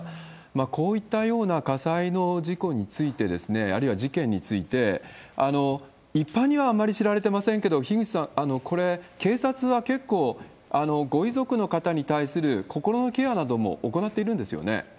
こういったような火災の事故について、あるいは事件について、一般にはあまり知られてませんけれども、樋口さん、これ、警察は結構、ご遺族の方に対する心のケアなども行っているんですよね？